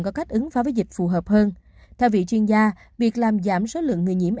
có cách ứng phó với dịch phù hợp hơn theo vị chuyên gia việc làm giảm số lượng người nhiễm